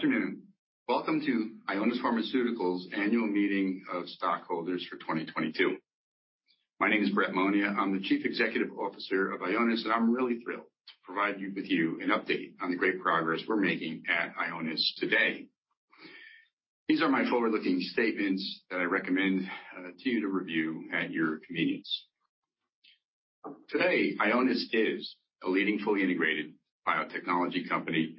Good afternoon. Welcome to Ionis Pharmaceuticals Annual Meeting of Stockholders for 2022. My name is Brett Monia. I'm the Chief Executive Officer of Ionis, and I'm really thrilled to provide you an update on the great progress we're making at Ionis today. These are my forward-looking statements that I recommend to you to review at your convenience. Today, Ionis is a leading, fully integrated biotechnology company,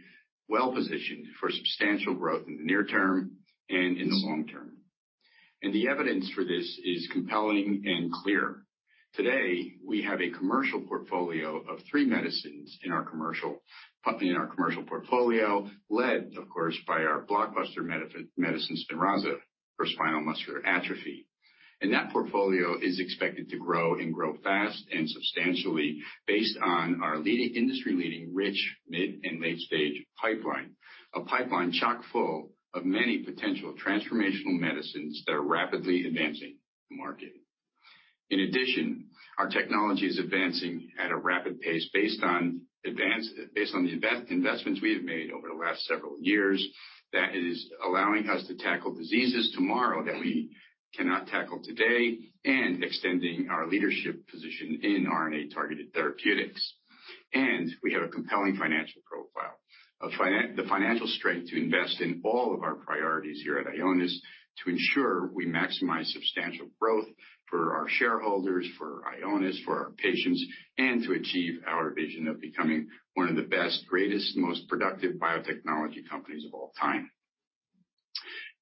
well-positioned for substantial growth in the near term and in the long term. The evidence for this is compelling and clear. Today, we have a commercial portfolio of three medicines in our commercial portfolio, led, of course, by our blockbuster medicine, Spinraza, for spinal muscular atrophy. That portfolio is expected to grow and grow fast and substantially based on our industry-leading rich mid- and late-stage pipeline. A pipeline chock-full of many potential transformational medicines that are rapidly advancing to market. In addition, our technology is advancing at a rapid pace based on the investments we have made over the last several years that is allowing us to tackle diseases tomorrow that we cannot tackle today and extending our leadership position in RNA-targeted therapeutics. We have a compelling financial profile. The financial strength to invest in all of our priorities here at Ionis to ensure we maximize substantial growth for our shareholders, for Ionis, for our patients, and to achieve our vision of becoming one of the best, greatest, most productive biotechnology companies of all time.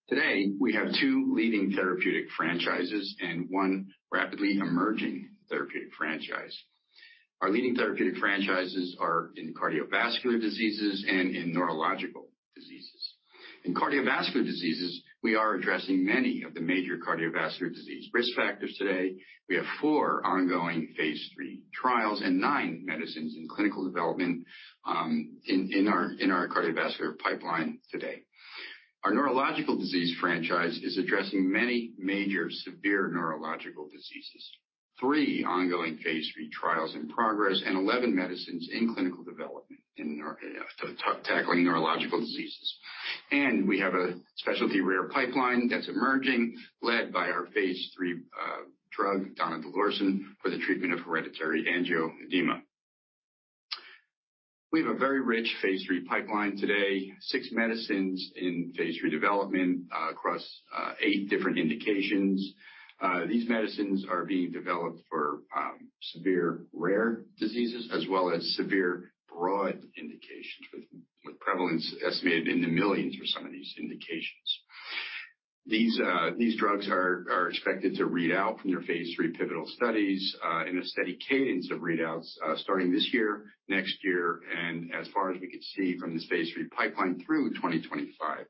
Today, we have two leading therapeutic franchises and one rapidly emerging therapeutic franchise. Our leading therapeutic franchises are in cardiovascular diseases and in neurological diseases. In cardiovascular diseases, we are addressing many of the major cardiovascular disease risk factors today. We have four ongoing phase III trials and nine medicines in clinical development in our cardiovascular pipeline today. Our neurological disease franchise is addressing many major severe neurological diseases. Three ongoing phase III trials in progress and 11 medicines in clinical development tackling neurological diseases. We have a specialty rare pipeline that's emerging, led by our phase III drug donidalorsen for the treatment of hereditary angioedema. We have a very rich phase III pipeline today, six medicines in phase III development across eight different indications. These medicines are being developed for severe rare diseases as well as severe broad indications with prevalence estimated in the millions for some of these indications. These drugs are expected to read out from their phase III pivotal studies in a steady cadence of readouts starting this year, next year, and as far as we can see from this phase III pipeline through 2025.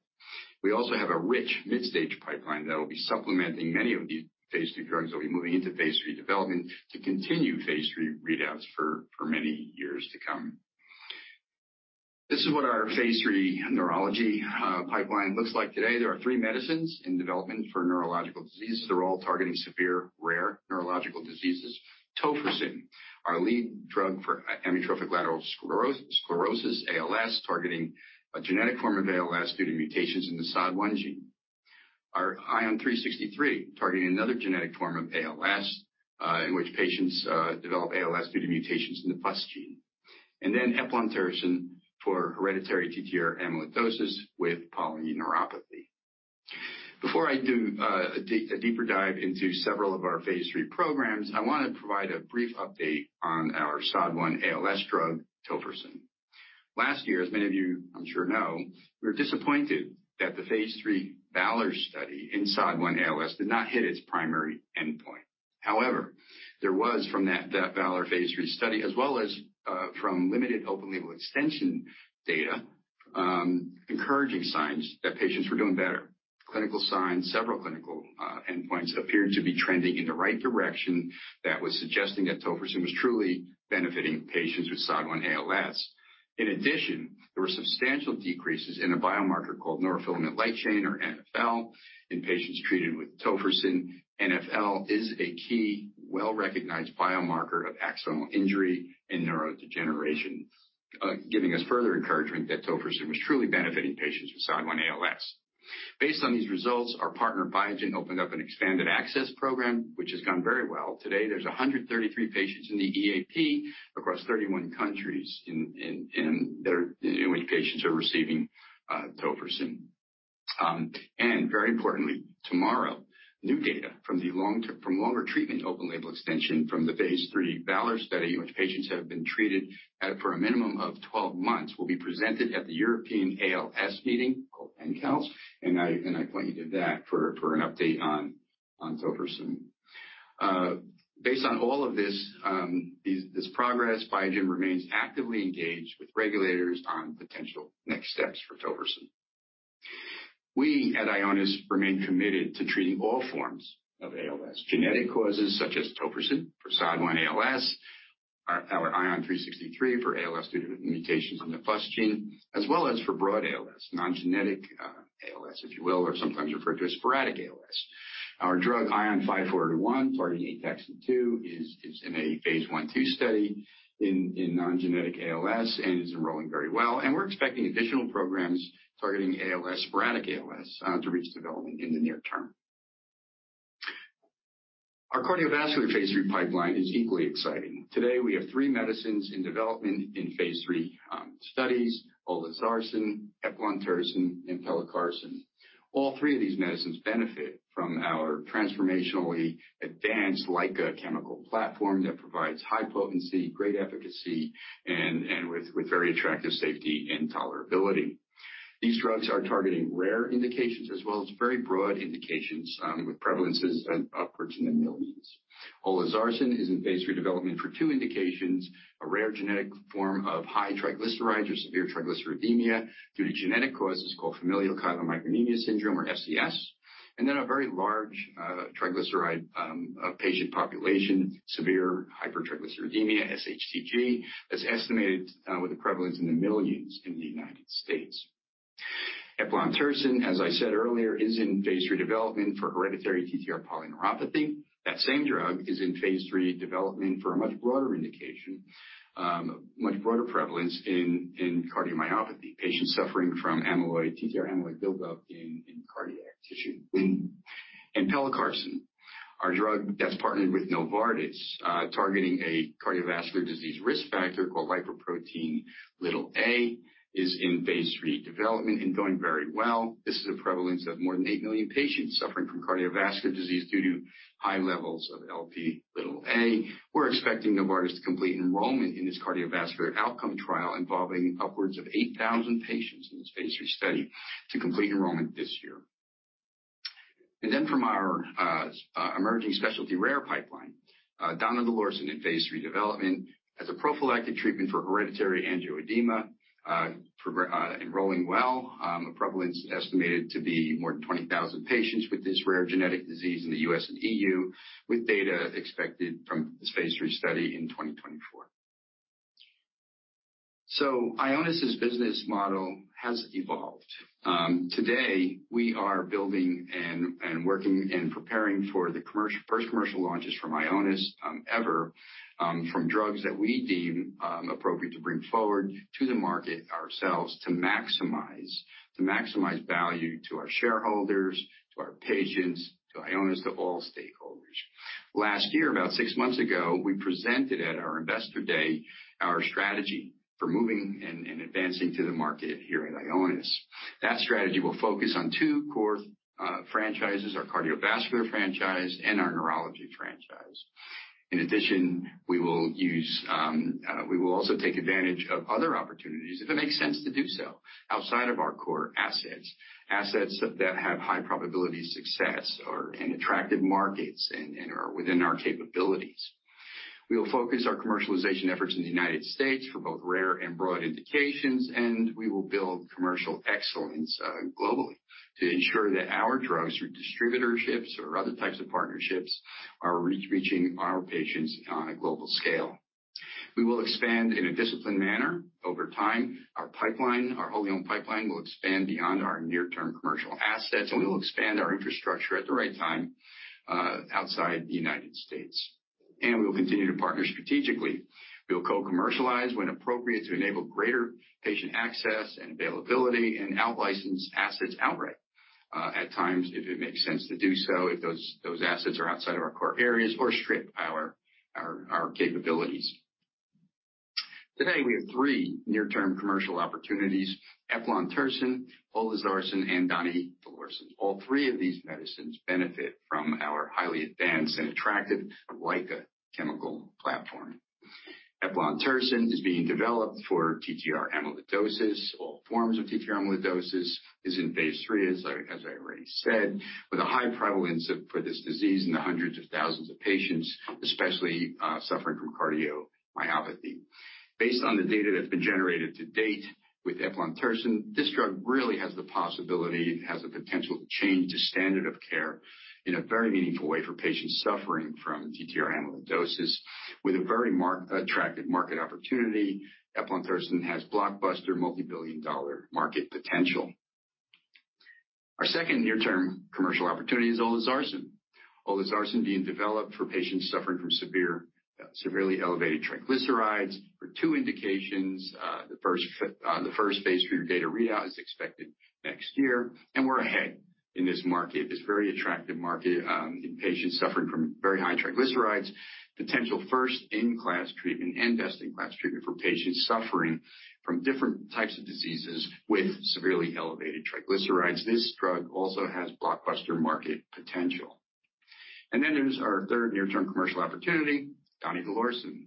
We also have a rich mid-stage pipeline that will be supplementing many of these phase II drugs that will be moving into phase III development to continue phase III readouts for many years to come. This is what our phase III neurology pipeline looks like today. There are three medicines in development for neurological diseases. They're all targeting severe rare neurological diseases. Tofersen, our lead drug for amyotrophic lateral sclerosis, ALS, targeting a genetic form of ALS due to mutations in the SOD1 gene. Our ION363 targeting another genetic form of ALS, in which patients develop ALS due to mutations in the FUS gene. Eplontersen for hereditary TTR amyloidosis with polyneuropathy. Before I do a deeper dive into several of our phase III programs, I wanna provide a brief update on our SOD1 ALS drug, tofersen. Last year, as many of you I'm sure know, we were disappointed that the phase III VALOR study in SOD1 ALS did not hit its primary endpoint. However, there was from that VALOR phase III study as well as from limited open label extension data encouraging signs that patients were doing better. Clinical signs, several clinical endpoints appeared to be trending in the right direction that was suggesting that tofersen was truly benefiting patients with SOD1 ALS. In addition, there were substantial decreases in a biomarker called neurofilament light chain or in patients treated with tofersen. NfL is a key well-recognized biomarker of axonal injury and neurodegeneration, giving us further encouragement that tofersen was truly benefiting patients with SOD1 ALS. Based on these results, our partner, Biogen, opened up an expanded access program which has gone very well. Today, there's 133 patients in the EAP across 31 countries in which patients are receiving tofersen. Very importantly, tomorrow, new data from longer treatment open label extension from the phase III VALOR study in which patients have been treated for a minimum of 12 months will be presented at the European ALS meeting called ENCALS, and I point you to that for an update on tofersen. Based on all of this progress, Biogen remains actively engaged with regulators on potential next steps for tofersen. We at Ionis remain committed to treating all forms of ALS. Genetic causes such as tofersen for SOD1 ALS, our ION363 for ALS due to mutations in the FUS gene, as well as for broad ALS, non-genetic ALS, if you will, or sometimes referred to as sporadic ALS. Our drug ION541 targeting ATXN2 is in a phase I/II study in non-genetic ALS and is enrolling very well. We're expecting additional programs targeting ALS, sporadic ALS, to reach development in the near term. Our cardiovascular phase III pipeline is equally exciting. Today, we have three medicines in development in phase III studies. olezarsen, eplontersen, and pelacarsen. All three of these medicines benefit from our transformationally advanced LICA chemical platform that provides high potency, great efficacy, and with very attractive safety and tolerability. These drugs are targeting rare indications as well as very broad indications with prevalences upwards in the millions. olezarsen is in phase III development for two indications, a rare genetic form of high triglycerides or severe hypertriglyceridemia due to genetic causes called familial chylomicronemia syndrome or FCS. Then a very large triglyceride patient population, severe hypertriglyceridemia, SHTG, that's estimated with a prevalence in the millions in the United States. Eplontersen, as I said earlier, is in phase III development for hereditary TTR polyneuropathy. That same drug is in phase III development for a much broader indication, much broader prevalence in cardiomyopathy, patients suffering from amyloid, TTR amyloid buildup in cardiac tissue. Pelacarsen, our drug that's partnered with Novartis, targeting a cardiovascular disease risk factor called lipoprotein(a), is in phase III development and going very well. This is a prevalence of more than 8 million patients suffering from cardiovascular disease due to high levels of Lp(a). We're expecting Novartis to complete enrollment in this cardiovascular outcome trial involving upwards of 8,000 patients in this phase III study to complete enrollment this year. From our emerging specialty rare pipeline, donidalorsen in phase III development as a prophylactic treatment for hereditary angioedema. Enrolling well. A prevalence estimated to be more than 20,000 patients with this rare genetic disease in the U.S. and E.U., with data expected from this phase III study in 2024. Ionis' business model has evolved. Today we are building and working and preparing for the 1st commercial launches from Ionis ever, from drugs that we deem appropriate to bring forward to the market ourselves to maximize value to our shareholders, to our patients, to Ionis, to all stakeholders. Last year, about six months ago, we presented at our investor day our strategy for moving and advancing to the market here at Ionis. That strategy will focus on two core franchises, our cardiovascular franchise and our neurology franchise. In addition, we will also take advantage of other opportunities if it makes sense to do so outside of our core assets. Assets that have high probability of success or and attractive markets and are within our capabilities. We will focus our commercialization efforts in the United States for both rare and broad indications, and we will build commercial excellence globally to ensure that our drugs through distributorships or other types of partnerships are reaching our patients on a global scale. We will expand in a disciplined manner over time. Our pipeline, our wholly owned pipeline, will expand beyond our near-term commercial assets, and we will expand our infrastructure at the right time outside the United States. We will continue to partner strategically. We will co-commercialize when appropriate to enable greater patient access and availability and out-license assets outright at times, if it makes sense to do so, if those assets are outside of our core areas or strip our capabilities. Today, we have three near-term commercial opportunities. Eplontersen, olezarsen, and Donidalorsen. All three of these medicines benefit from our highly advanced and attractive LICA chemical platform. Eplontersen is being developed for TTR amyloidosis. All forms of TTR amyloidosis is in phase III, as I already said, with a high prevalence for this disease in the hundreds of thousands of patients, especially suffering from cardiomyopathy. Based on the data that's been generated to date with Eplontersen, this drug really has the possibility, it has the potential to change the standard of care in a very meaningful way for patients suffering from TTR amyloidosis. With a very attractive market opportunity, Eplontersen has blockbuster multibillion-dollar market potential. Our 2nd near-term commercial opportunity is olezarsen. olezarsen being developed for patients suffering from severe, severely elevated triglycerides for two indications. The 1st phase III data readout is expected next year, and we're ahead in this market, this very attractive market, in patients suffering from very high triglycerides. Potential 1st-in-class treatment and best-in-class treatment for patients suffering from different types of diseases with severely elevated triglycerides. This drug also has blockbuster market potential. There's our 3rd near-term commercial opportunity, donidalorsen.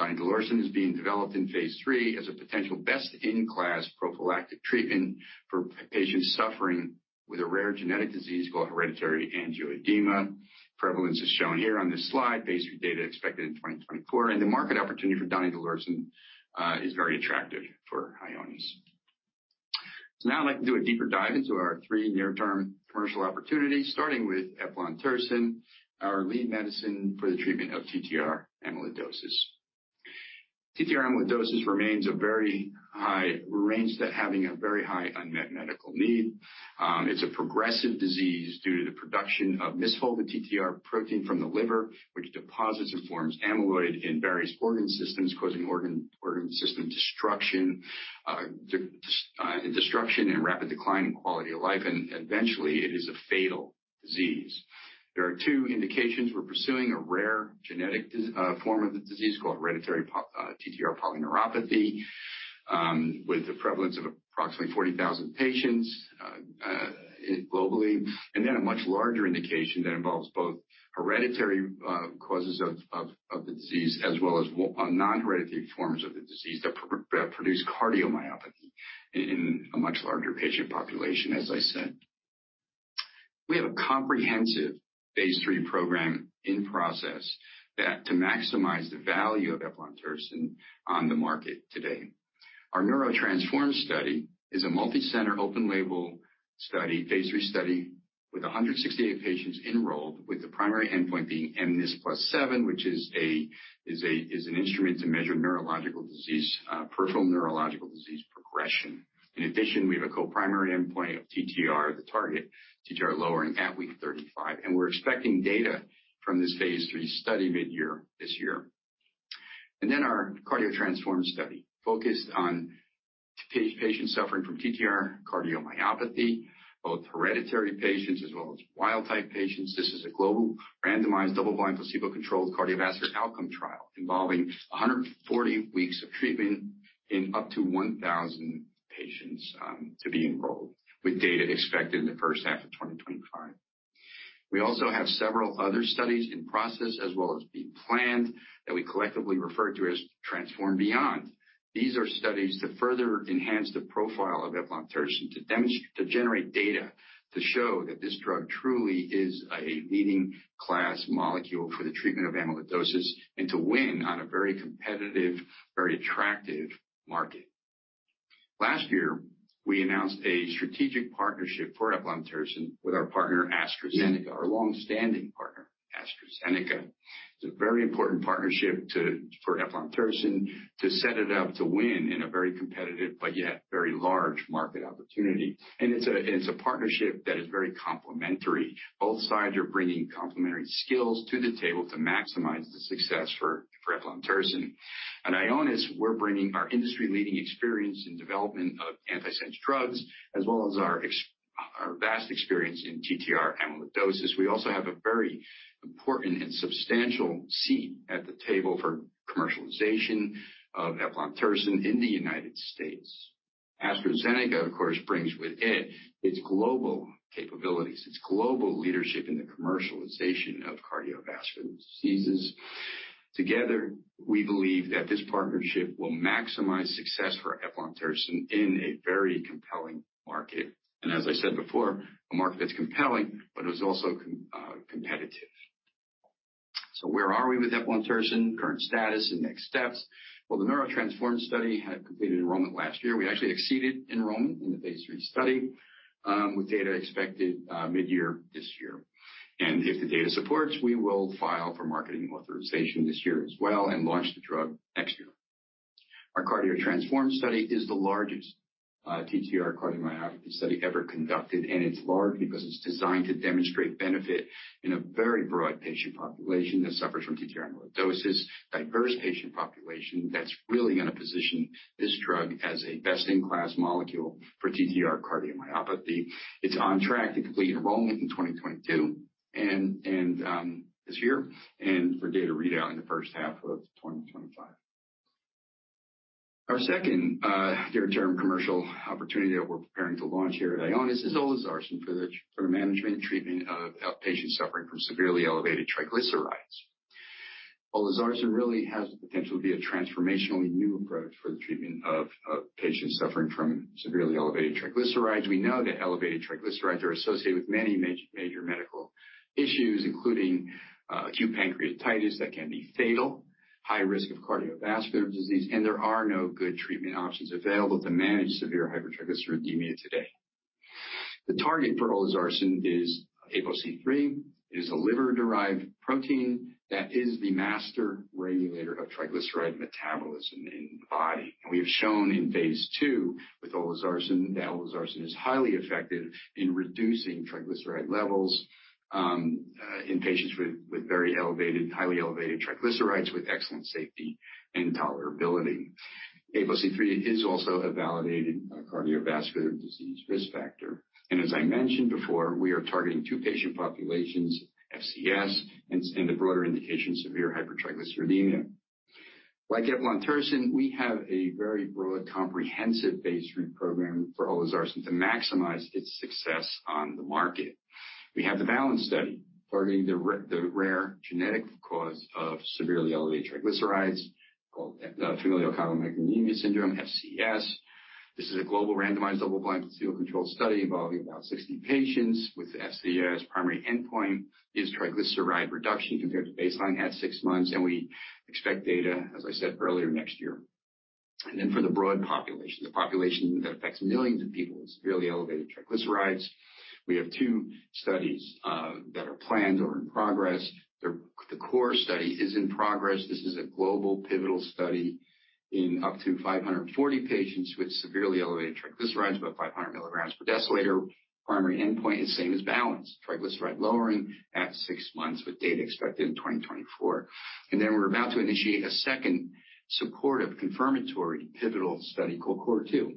Donidalorsen is being developed in phase III as a potential best-in-class prophylactic treatment for patients suffering with a rare genetic disease called hereditary angioedema. Prevalence is shown here on this slide. Phase III data expected in 2024, and the market opportunity for donidalorsen is very attractive for Ionis. Now I'd like to do a deeper dive into our three near-term commercial opportunities, starting with eplontersen, our lead medicine for the treatment of TTR amyloidosis. TTR amyloidosis remains a very rare disease that has a very high unmet medical need. It's a progressive disease due to the production of misfolded TTR protein from the liver, which deposits and forms amyloid in various organ systems, causing organ system destruction and rapid decline in quality of life. Eventually it is a fatal disease. There are two indications we're pursuing, a rare genetic form of the disease called hereditary TTR polyneuropathy, with the prevalence of approximately 40,000 patients globally. Then a much larger indication that involves both hereditary causes of the disease, as well as non-hereditary forms of the disease that produce cardiomyopathy in a much larger patient population, as I said. We have a comprehensive phase III program in process that to maximize the value of eplontersen on the market today. Our NEURO-TTRansform study is a multicenter open label study, phase III study with 168 patients enrolled, with the primary endpoint being mNIS+7, which is an instrument to measure neurological disease, peripheral neurological disease progression. In addition, we have a co-primary endpoint of TTR, the target TTR lowering at week III5. We're expecting data from this phase III study mid-year this year. Our CARDIO-TTRansform study focused on patients suffering from TTR cardiomyopathy, both hereditary patients as well as wild type patients. This is a global randomized, double-blind, placebo-controlled cardiovascular outcome trial involving 140 weeks of treatment in up to 1,000 patients to be enrolled with data expected in the 1st half of 2025. We also have several other studies in process as well as being planned that we collectively refer to as TRANSFORM Beyond. These are studies to further enhance the profile of eplontersen, to generate data to show that this drug truly is a leading class molecule for the treatment of amyloidosis and to win on a very competitive, very attractive market. Last year, we announced a strategic partnership for eplontersen with our partner, AstraZeneca. Our long-standing partner, AstraZeneca. It's a very important partnership for eplontersen to set it up to win in a very competitive but yet very large market opportunity. It's a partnership that is very complementary. Both sides are bringing complementary skills to the table to maximize the success for eplontersen. At Ionis, we're bringing our industry-leading experience in development of antisense drugs as well as our vast experience in TTR amyloidosis. We also have a very important and substantial seat at the table for commercialization of eplontersen in the United States. AstraZeneca, of course, brings with it its global capabilities, its global leadership in the commercialization of cardiovascular diseases. Together, we believe that this partnership will maximize success for eplontersen in a very compelling market. As I said before, a market that's compelling but is also competitive. Where are we with eplontersen, current status and next steps? Well, the NEURO-TTRansform study had completed enrollment last year. We actually exceeded enrollment in the phase III study, with data expected mid-year this year. If the data supports, we will file for marketing authorization this year as well and launch the drug next year. Our CARDIO-TTRansform study is the largest TTR cardiomyopathy study ever conducted, and it's large because it's designed to demonstrate benefit in a very broad patient population that suffers from TTR amyloidosis. Diverse patient population that's really gonna position this drug as a best in class molecule for TTR cardiomyopathy. It's on track to complete enrollment in 2022 and this year. For data readout in the 1st half of 2025. Our 2nd near-term commercial opportunity that we're preparing to launch here at Ionis is olezarsen for the management treatment of patients suffering from severely elevated triglycerides. olezarsen really has the potential to be a transformationally new approach for the treatment of patients suffering from severely elevated triglycerides. We know that elevated triglycerides are associated with many major medical issues, including acute pancreatitis that can be fatal, high risk of cardiovascular disease, and there are no good treatment options available to manage severe hypertriglyceridemia today. The target for olezarsen is APOCIII. It is a liver-derived protein that is the master regulator of triglyceride metabolism in the body. We have shown in phase II with olezarsen that olezarsen is highly effective in reducing triglyceride levels in patients with very elevated, highly elevated triglycerides with excellent safety and tolerability. APOCIII is also a validated cardiovascular disease risk factor. As I mentioned before, we are targeting two patient populations, FCS and the broader indication, severe hypertriglyceridemia. Like eplontersen, we have a very broad, comprehensive phase III program for olezarsen to maximize its success on the market. We have the Balance study targeting the rare genetic cause of severely elevated triglycerides called familial chylomicronemia syndrome, FCS. This is a global randomized, double-blind, placebo-controlled study involving about 60 patients with FCS. Primary endpoint is triglyceride reduction compared to baseline at six months. We expect data, as I said, early next year. Then for the broad population, the population that affects millions of people is severely elevated triglycerides. We have two studies that are planned or in progress. The CORE study is in progress. This is a global pivotal study in up to 540 patients with severely elevated triglycerides, about 500 mg per deciliter. Primary endpoint is same as Balance. Triglyceride lowering at six months with data expected in 2024. Then we're about to initiate a 2nd supportive confirmatory pivotal study called CORE 2.0,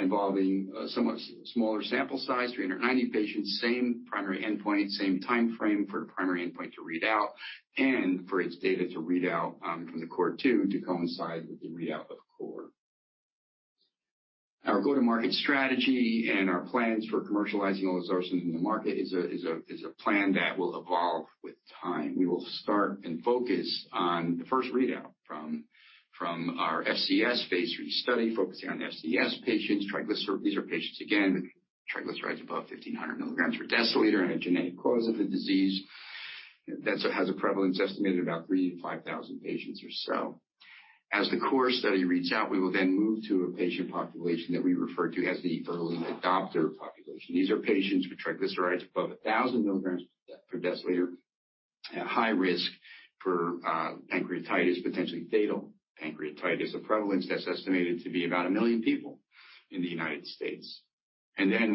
involving a somewhat smaller sample size, 390 patients. Same primary endpoint, same time frame for the primary endpoint to read out and for its data to read out, from the CORE 2.0 to coincide with the readout of CORE. Our go-to-market strategy and our plans for commercializing olezarsen in the market is a plan that will evolve with time. We will start and focus on the 1st readout from our FCS phase III study, focusing on FCS patients, triglycerides. These are patients, again, with triglycerides above 1,500 mg per deciliter and a genetic cause of the disease. That has a prevalence estimated about3,000-5,000 patients or so. As the CORE study reads out, we will then move to a patient population that we refer to as the early adopter population. These are patients with triglycerides above 1,000 mg per deciliter at high risk for pancreatitis, potentially fatal pancreatitis. A prevalence that's estimated to be about a million people in the United States.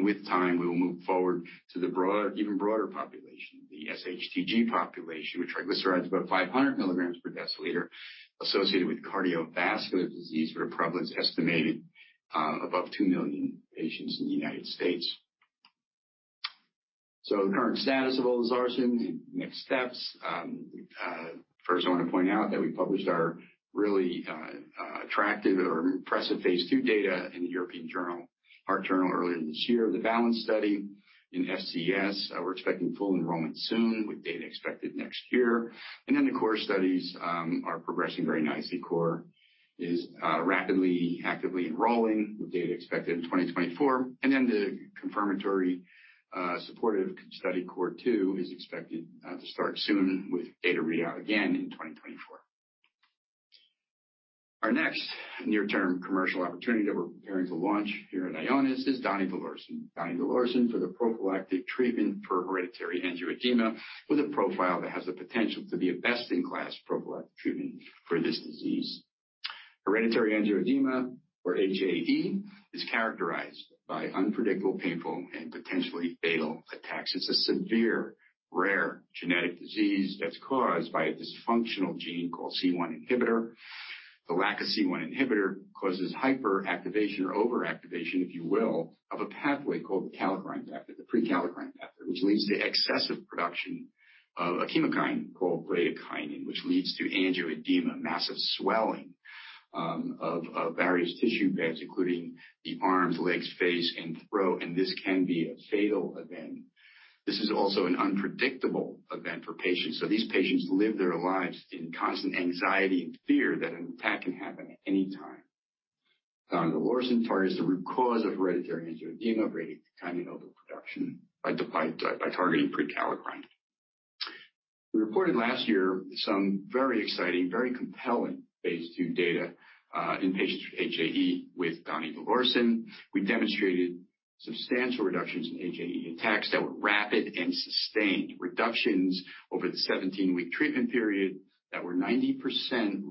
With time, we will move forward to the broader, even broader population, the SHTG population, with triglycerides about 500 mg per deciliter associated with cardiovascular disease with a prevalence estimated above 2 million patients in the United States. The current status of olezarsen, the next steps. First, I want to point out that we published our really, attractive or impressive phase II data in the European Heart Journal earlier this year of the BALANCE study in FCS. We're expecting full enrollment soon with data expected next year. The CORE studies are progressing very nicely. CORE is rapidly, actively enrolling with data expected in 2024. The confirmatory, supportive study CORE 2.0 is expected to start soon with data readout again in 2024. Our next near-term commercial opportunity that we're preparing to launch here at Ionis is donidalorsen. Donidalorsen for the prophylactic treatment for hereditary angioedema, with a profile that has the potential to be a best-in-class prophylactic treatment for this disease. Hereditary angioedema or HAE is characterized by unpredictable, painful, and potentially fatal attacks. It's a severe, rare genetic disease that's caused by a dysfunctional gene called C1 inhibitor. The lack of C1 inhibitor causes hyperactivation or overactivation, if you will, of a pathway called the kallikrein pathway, the prekallikrein pathway, which leads to excessive production of a chemokine called bradykinin, which leads to angioedema, massive swelling of various tissue beds, including the arms, legs, face, and throat, and this can be a fatal event. This is also an unpredictable event for patients. These patients live their lives in constant anxiety and fear that an attack can happen at any time. Donidalorsen targets the root cause of hereditary angioedema, bradykinin overproduction by targeting prekallikrein. We reported last year some very exciting, very compelling phase II data in patients with HAE with donidalorsen. We demonstrated substantial reductions in HAE attacks that were rapid and sustained. Reductions over the 17-week treatment period that were 90%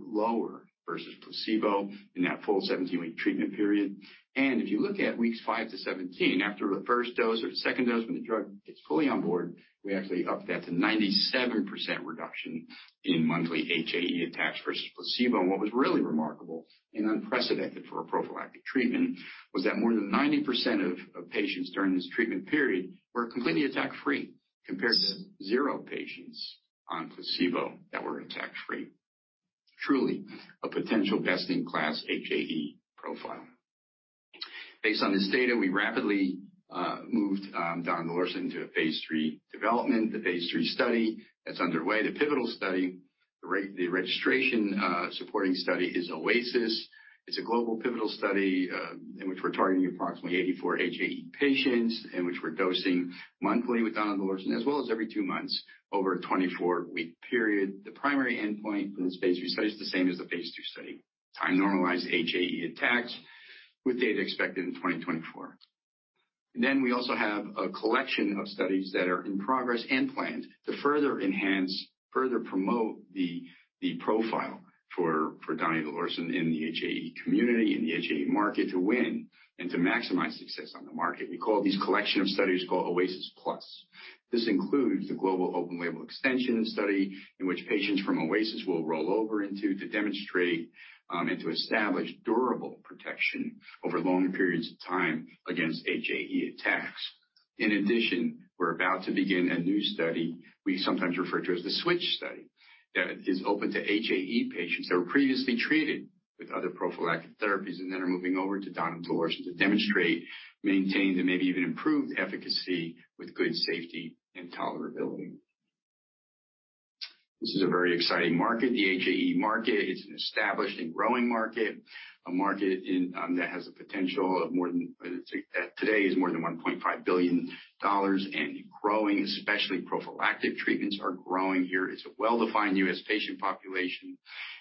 lower versus placebo in that full 17-week treatment period. If you look at weeks 5 to 17, after the 1st dose or the 2nd dose when the drug gets fully on board, we actually upped that to 97% reduction in monthly HAE attacks versus placebo. What was really remarkable and unprecedented for a prophylactic treatment was that more than 90% of patients during this treatment period were completely attack-free, compared to zero patients on placebo that were attack-free. Truly a potential best-in-class HAE profile. Based on this data, we rapidly moved donidalorsen to a phase III development. The phase III study that's underway, the pivotal study, the registration supporting study is OASIS. It's a global pivotal study, in which we're targeting approximately 84 HAE patients, in which we're dosing monthly with donidalorsen as well as every two months over a 24-week period. The primary endpoint for this phase III study is the same as the phase II study. Time-normalized HAE attacks, with data expected in 2024. We also have a collection of studies that are in progress and planned to further enhance, further promote the profile for donidalorsen in the HAE community, in the HAE market to win and to maximize success on the market. We call these collection of studies OASIS+. This includes the global open-label extension study in which patients from OASIS will roll over into to demonstrate and to establish durable protection over longer periods of time against HAE attacks. In addition, we're about to begin a new study we sometimes refer to as the switch study, that is open to HAE patients that were previously treated with other prophylactic therapies and then are moving over to donidalorsen to demonstrate, maintain, and maybe even improved efficacy with good safety and tolerability. This is a very exciting market, the HAE market. It's an established and growing market, a market in that has a potential of more than. Let's say that today is more than $1.5 billion and growing, especially prophylactic treatments are growing here. It's a well-defined U.S. patient population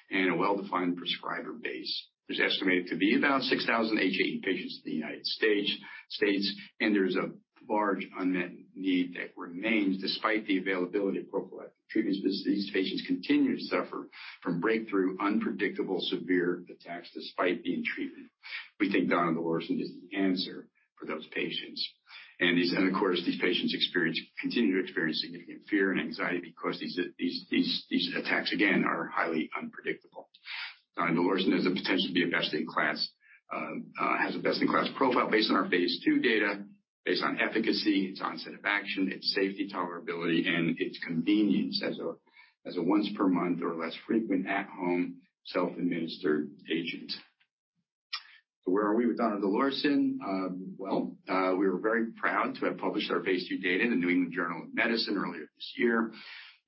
and a well-defined prescriber base. It's estimated to be about 6,000 HAE patients in the United States, and there's a large unmet need that remains despite the availability of prophylactic treatments. These patients continue to suffer from breakthrough unpredictable, severe attacks despite being treated. We think donidalorsen is the answer for those patients. Of course, these patients continue to experience significant fear and anxiety because these attacks, again, are highly unpredictable. Donidalorsen has the potential to be a best-in-class, has the best-in-class profile based on our phase II data, based on efficacy, its onset of action, its safety tolerability, and its convenience as a once-per-month or less frequent at-home self-administered agent. Where are we with donidalorsen? We were very proud to have published our phase II data in the New England Journal of Medicine earlier this year.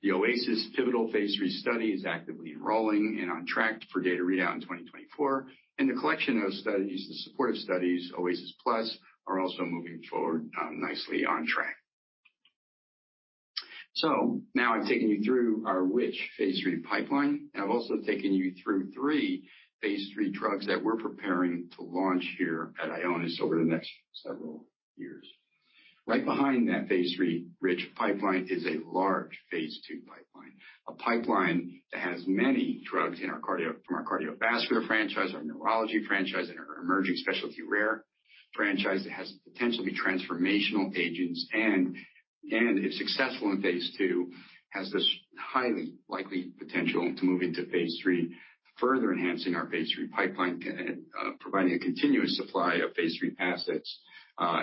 The OASIS pivotal phase III study is actively enrolling and on track for data readout in 2024. The collection of studies, the supportive studies, OASIS+, are also moving forward nicely on track. Now I've taken you through our rich phase III pipeline. I've also taken you through three phase III drugs that we're preparing to launch here at Ionis over the next several years. Right behind that phase III rich pipeline is a large phase II pipeline, a pipeline that has many drugs from our cardiovascular franchise, our neurology franchise, and our emerging specialty rare franchise that has the potential to be transformational agents and if successful in phase, has this highly likely potential to move into phase III, further enhancing our phase III pipeline and providing a continuous supply of phase III assets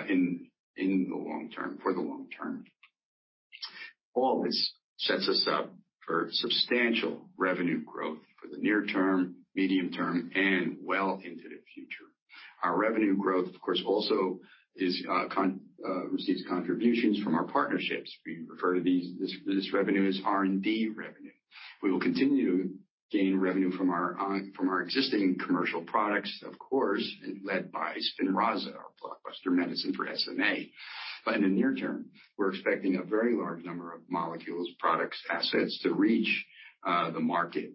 in the long term. All this sets us up for substantial revenue growth for the near term, medium term, and well into the future. Our revenue growth, of course, also receives contributions from our partnerships. We refer to this revenue as R&D revenue. We will continue to gain revenue from our existing commercial products, of course, led by SPINRAZA, our blockbuster medicine for SMA. In the near term, we're expecting a very large number of molecules, products, assets to reach the market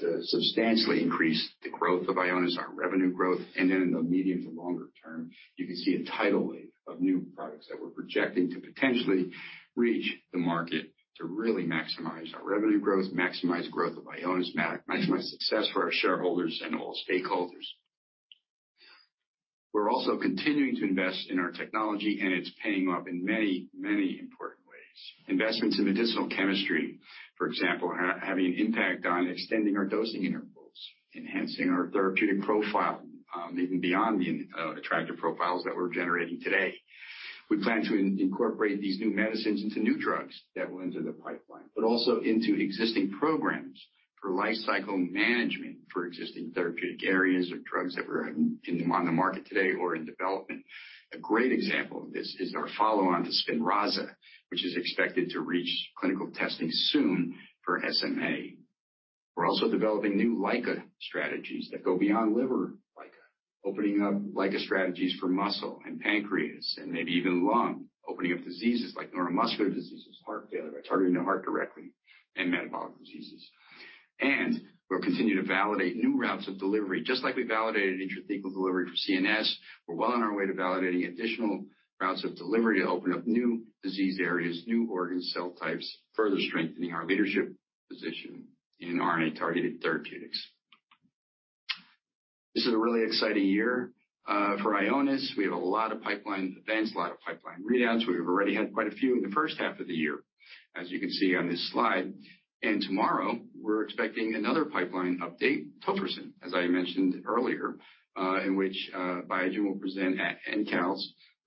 to substantially increase the growth of Ionis, our revenue growth. In the medium to longer term, you can see a tidal wave of new products that we're projecting to potentially reach the market to really maximize our revenue growth, maximize growth of Ionis, maximize success for our shareholders and all stakeholders. We're also continuing to invest in our technology, and it's paying off in many, many important ways. Investments in medicinal chemistry, for example, are having an impact on extending our dosing intervals, enhancing our therapeutic profile, even beyond the attractive profiles that we're generating today. We plan to incorporate these new medicines into new drugs that will enter the pipeline, but also into existing programs for lifecycle management for existing therapeutic areas or drugs that are on the market today or in development. A great example of this is our follow-on to SPINRAZA, which is expected to reach clinical testing soon for SMA. We're also developing new LICA strategies that go beyond liver LICA, opening up LICA strategies for muscle and pancreas and maybe even lung, opening up diseases like neuromuscular diseases, heart failure by targeting the heart directly, and metabolic diseases. We'll continue to validate new routes of delivery, just like we validated intrathecal delivery for CNS. We're well on our way to validating additional routes of delivery to open up new disease areas, new organ cell types, further strengthening our leadership position in RNA-targeted therapeutics. This is a really exciting year for Ionis. We have a lot of pipeline events, a lot of pipeline readouts. We've already had quite a few in the 1st half of the year, as you can see on this slide. Tomorrow, we're expecting another pipeline update, tofersen, as I mentioned earlier, in which Biogen will present at ENCALS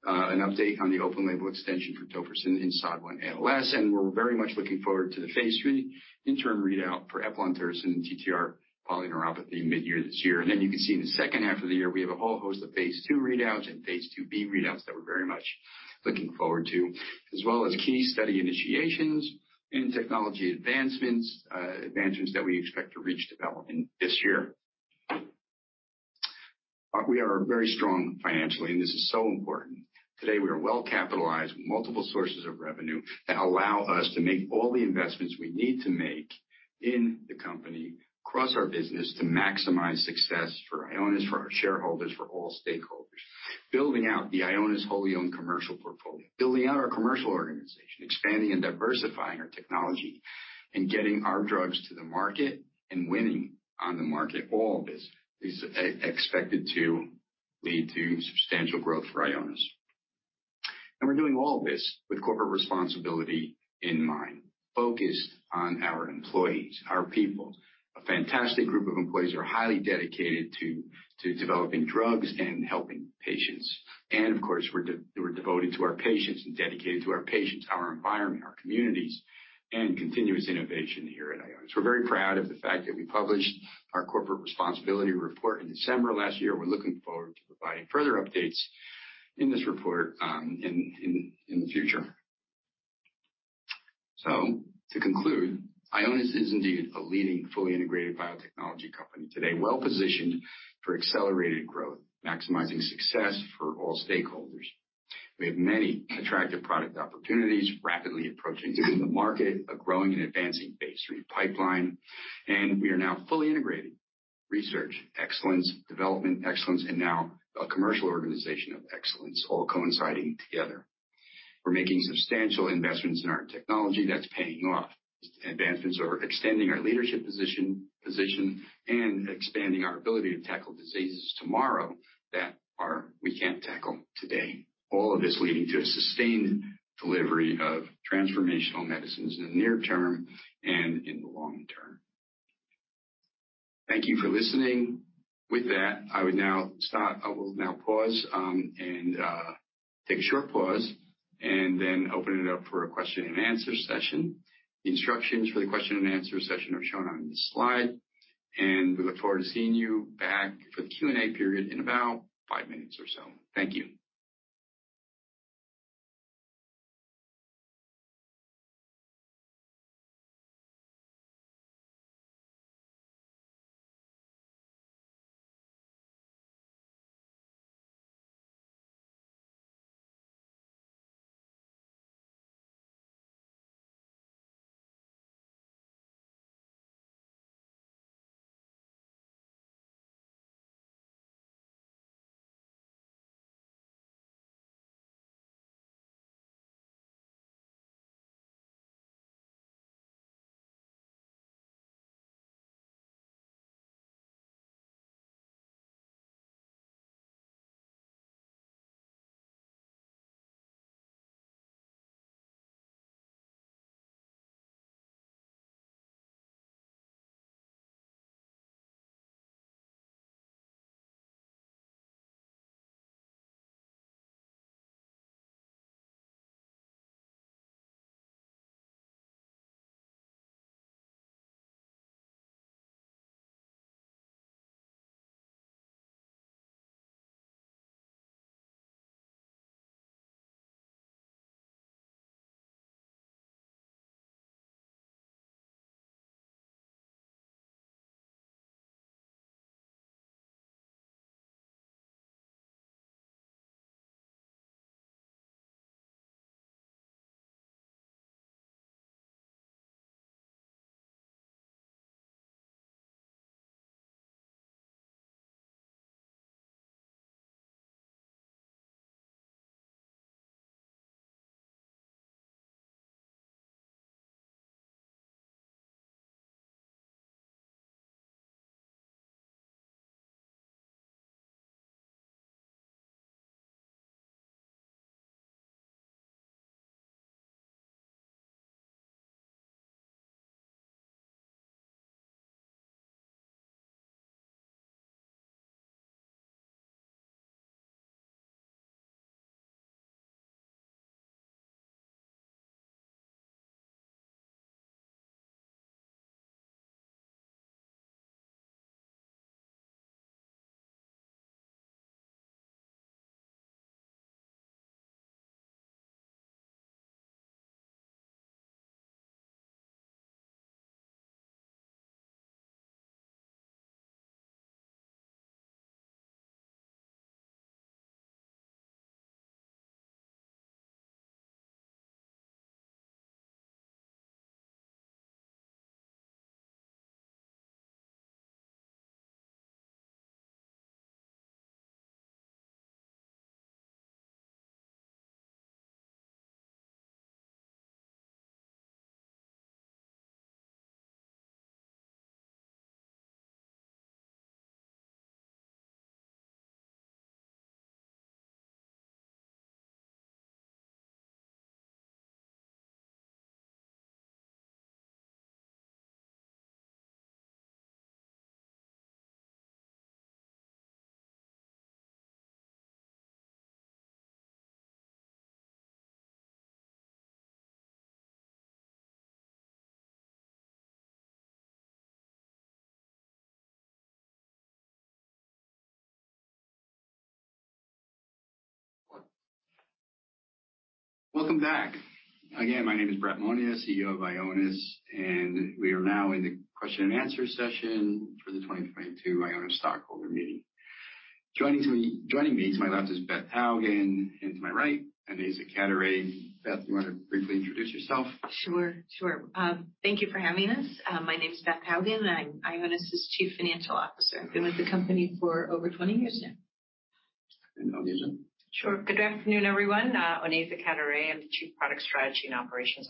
an update on the open-label extension for tofersen in SOD1 ALS. We're very much looking forward to the phase III interim readout for eplontersen in TTR polyneuropathy midyear this year. You can see in the 2nd half of the year, we have a whole host of phase II readouts and phase II-B readouts that we're very much looking forward to, as well as key study initiations and technology advancements that we expect to reach development this year. We are very strong financially, and this is so important. Today, we are well-capitalized with multiple sources of revenue that allow us to make all the investments we need to make in the company across our business to maximize success for Ionis, for our shareholders, for all stakeholders. Building out the Ionis wholly owned commercial portfolio, building out our commercial organization, expanding and diversifying our technology, and getting our drugs to the market and winning on the market, all of this is expected to lead to substantial growth for Ionis. We're doing all this with corporate responsibility in mind, focused on our employees, our people. A fantastic group of employees who are highly dedicated to developing drugs and helping patients. Of course, we're devoted to our patients and dedicated to our patients, our environment, our communities, and continuous innovation. We're very proud of the fact that we published our corporate responsibility report in December last year. We're looking forward to providing further updates in this report in the future. To conclude, Ionis is indeed a leading fully integrated biotechnology company today, well-positioned for accelerated growth, maximizing success for all stakeholders. We have many attractive product opportunities rapidly approaching the market, a growing and advancing phase III pipeline, and we are now fully integrated. Research excellence, development excellence, and now a commercial organization of excellence all coinciding together. We're making substantial investments in our technology that's paying off. Advancements are extending our leadership position and expanding our ability to tackle diseases tomorrow that we can't tackle today. All of this leading to a sustained delivery of transformational medicines in the near term and in the long term. Thank you for listening. With that, I would now stop. I will now pause and take a short pause and then open it up for a question and answer session. The instructions for the question and answer session are shown on this slide, and we look forward to seeing you back for the Q&A period in about five minutes or so. Thank you. Welcome back. Again, my name is Brett Monia, CEO of Ionis, and we are now in the question and answer session for the 2022 Ionis stockholder meeting. Joining me to my left is Beth Hougen, and to my right, Onaiza Cadoret-Manier. Beth, you wanna briefly introduce yourself? Sure. Thank you for having us. My name is Beth Hougen, and I'm Ionis's Chief Financial Officer. I've been with the company for over 20 years now. Onaiza Cadoret-Manier. Sure. Good afternoon, everyone. Onaiza Cadoret-Manier. I'm the Chief Product Strategy and Operations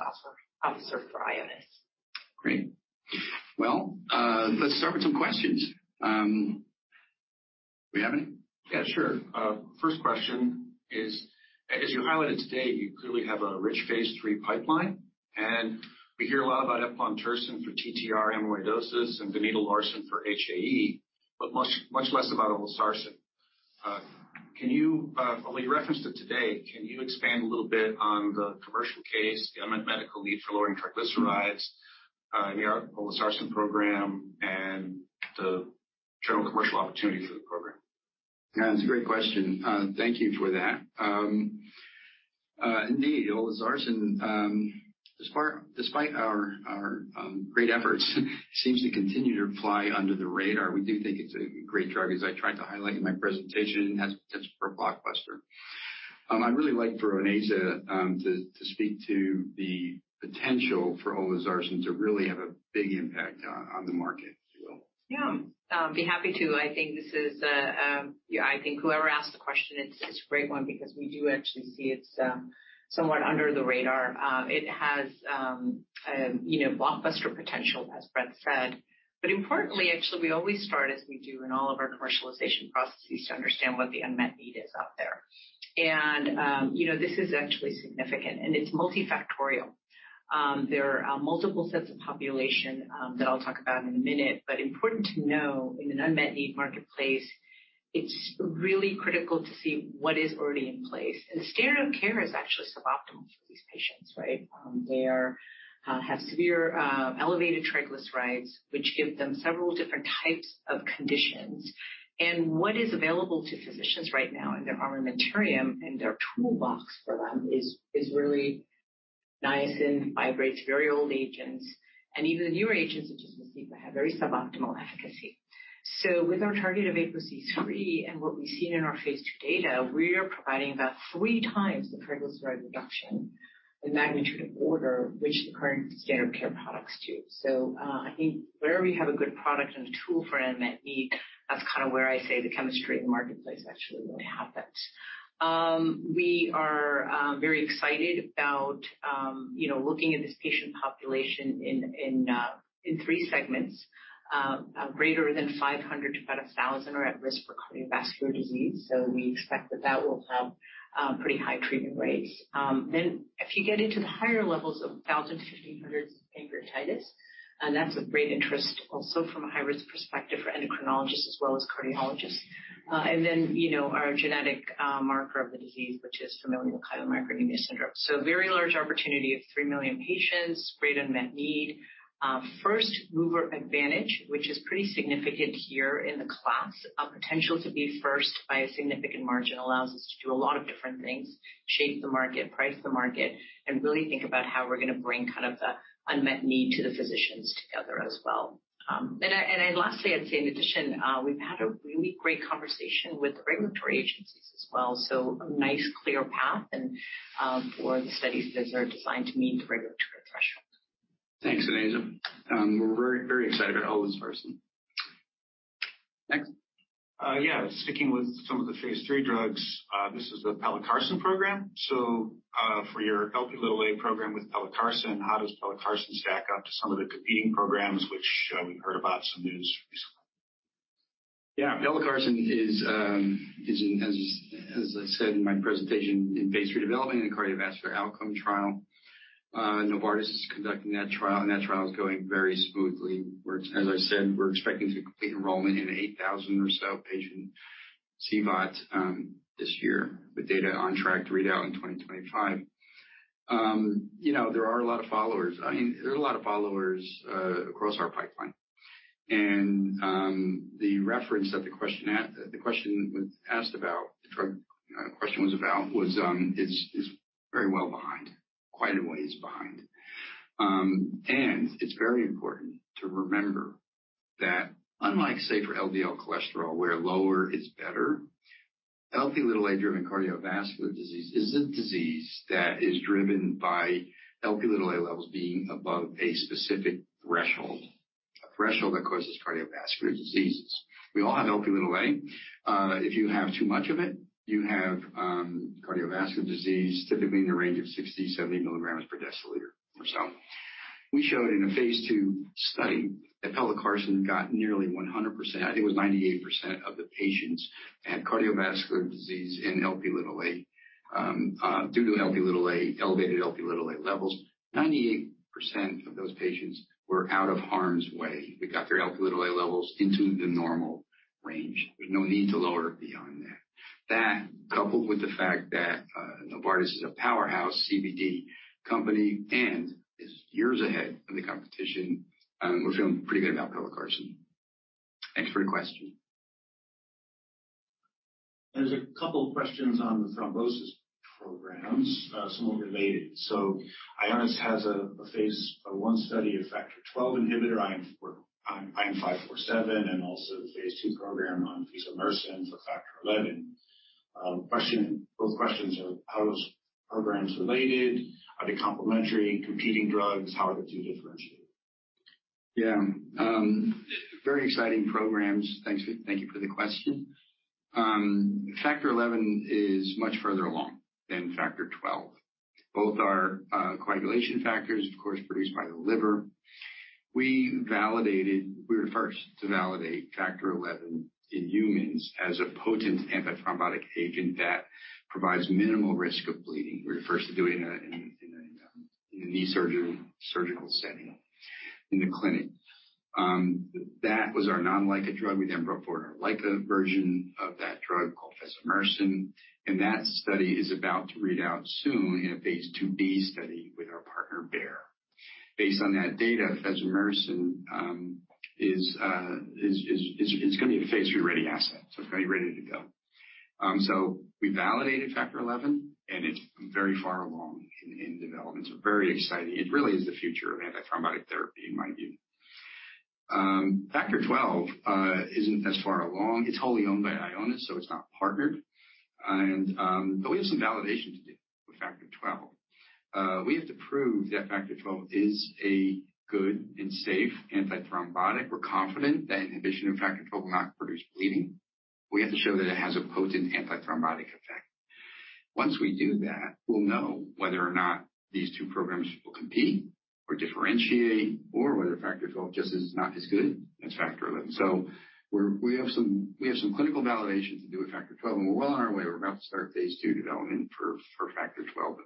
Officer for Ionis. Great. Well, let's start with some questions. Do we have any? Yeah, sure. First question is, as you highlighted today, you clearly have a rich phase III pipeline. We hear a lot about eplontersen for TTR amyloidosis and donidalorsen for HAE, but much, much less about olezarsen. Well, you referenced it today. Can you expand a little bit on the commercial case, the unmet medical need for lowering triglycerides, the olezarsen program and the general commercial opportunity for the program? Yeah, that's a great question. Thank you for that. Indeed, olezarsen, despite our great efforts, seems to continue to fly under the radar. We do think it's a great drug, as I tried to highlight in my presentation. It has potential for a blockbuster. I'd really like for Onaiza to speak to the potential for to really have a big impact on the market, if you will. Yeah. I'll be happy to. I think whoever asked the question, it's a great one because we do actually see it's somewhat under the radar. It has, you know, blockbuster potential, as Brett said. Importantly, actually, we always start as we do in all of our commercialization processes to understand what the unmet need is out there. You know, this is actually significant, and it's multifactorial. There are multiple sets of population that I'll talk about in a minute, but important to know in an unmet need marketplace, it's really critical to see what is already in place. The standard of care is actually suboptimal for these patients, right? They have severe elevated triglycerides, which give them several different types of conditions. What is available to physicians right now in their armamentarium, in their toolbox for them is really niacin, fibrates, very old agents. Even the newer agents, such as There's a couple of questions on the thrombosis programs, somewhat related. Ionis has a phase I study of factor twelve inhibitor ION547, and also the phase II program on fesomersen for factor eleven. Questions are how those programs related? Are they complementary competing drugs? How are the two differentiated? Very exciting programs. Thank you for the question. Factor eleven is much further along than factor twelve. Both are coagulation factors, of course, produced by the liver. We were 1st to validate factor eleven in humans as a potent antithrombotic agent that provides minimal risk of bleeding. We were 1st to do it in a knee surgery surgical setting in the clinic. That was our non-LICA drug. We then brought forward our LICA version of that drug called fesomersen, and that study is about to read out soon in a phase II-B study with our partner Bayer. Based on that data, fesomersen is gonna be a phase III ready asset. It's gonna be ready to go. We validated factor eleven, and it's very far along in development. Very exciting. It really is the future of antithrombotic therapy, in my view. Factor XII isn't as far along. It's wholly owned by Ionis, so it's not partnered and, but we have some validation to do with Factor XII. We have to prove that Factor XII is a good and safe antithrombotic. We're confident that inhibition of Factor XII will not produce bleeding. We have to show that it has a potent antithrombotic effect. Once we do that, we'll know whether or not these two programs will compete or differentiate or whether Factor XII just is not as good as Factor XI. We have some clinical validation to do with Factor XII, and we're well on our way. We're about to start phase II development for Factor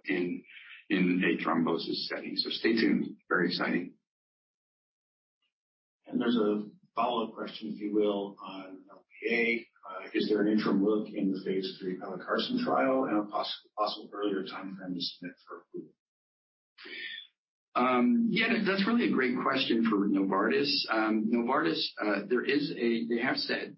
XII in a thrombosis setting. Stay tuned. Very exciting. There's a follow-up question, if you will, on Lp(a). Is there an interim look in the phase III olezarsen trial and a possible earlier timeframe to submit for approval? Yeah, that's really a great question for Novartis. Novartis, they have said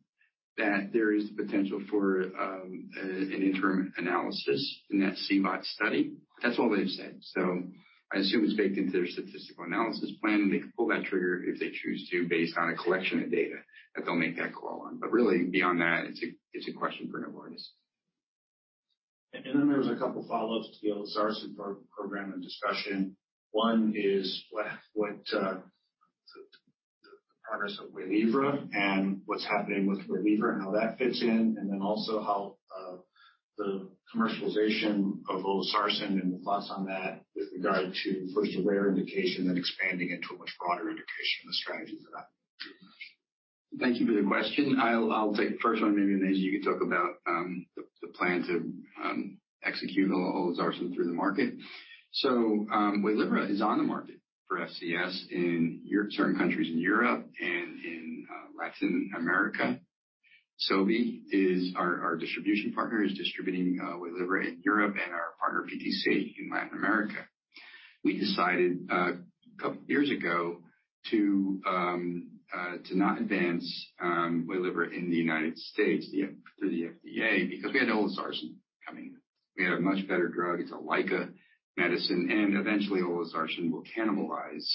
that there is the potential for an interim analysis in that CVOT study. That's all they've said. I assume it's baked into their statistical analysis plan, and they can pull that trigger if they choose to, based on a collection of data that they'll make that call on. Really beyond that, it's a question for Novartis. There's a couple follow-ups to the olezarsen program and discussion. One is what the progress of Waylivra and what's happening with Waylivra and how that fits in, and then also how the commercialization of olezarsen and thoughts on that with regard to 1st a rare indication, then expanding into a much broader indication of the strategies for that. Thank you for the question. I'll take the 1st one, maybe Onaiza you can talk about the plan to execute olezarsen through the market. Waylivra is on the market for FCS in certain countries in Europe and in Latin America. Sobi is our distribution partner, is distributing Waylivra in Europe and our partner, PTC, in Latin America. We decided a couple years ago to not advance Waylivra in the United States through the FDA because we had olezarsen coming. We had a much better drug. It's a LICA medicine, and eventually olezarsen will cannibalize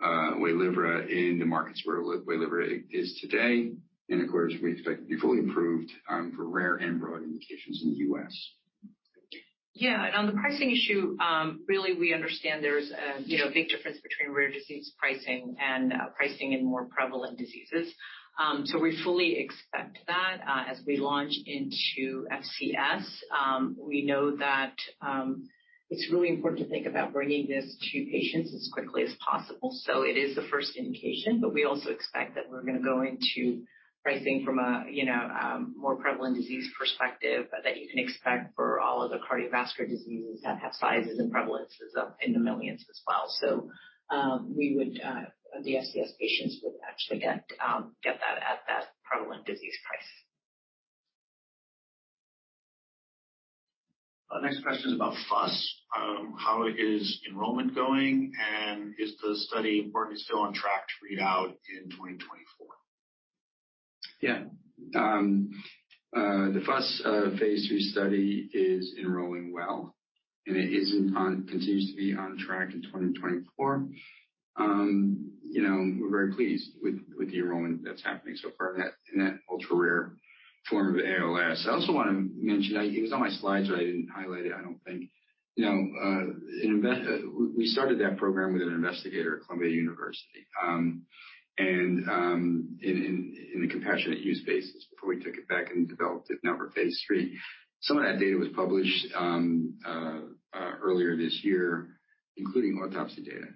Waylivra in the markets where Waylivra is today. Of course, we expect to be fully approved for rare and broad indications in the U.S. Yeah. On the pricing issue, really we understand there's a, you know, big difference between rare disease pricing and pricing in more prevalent diseases. We fully expect that as we launch into FCS. We know that it's really important to think about bringing this to patients as quickly as possible. It is the 1st indication, but we also expect that we're gonna go into pricing from a, you know, more prevalent disease perspective that you can expect for all of the cardiovascular diseases that have sizes and prevalences of in the millions as well. We would, the FCS patients would actually get that at that prevalent disease price. Next question is about FUS. How is enrollment going, and is it still on track to read out in 2024? Yeah. The FUS phase III study is enrolling well, and it continues to be on track in 2024. You know, we're very pleased with the enrollment that's happening so far in that ultra-rare form of ALS. I also want to mention, it was on my slides, but I didn't highlight it, I don't think. You know, we started that program with an investigator at Columbia University and in a compassionate use basis before we took it back and developed it now for phase III. Some of that data was published earlier this year, including autopsy data